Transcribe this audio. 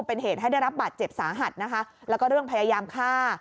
เป็นเหตุให้ได้รับบาดเจ็บสาหัสนะคะแล้วก็เรื่องพยายามฆ่า